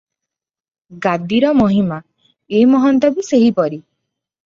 ଗାଦିର ମହିମା - ଏ ମହନ୍ତ ବି ସେହିପରି ।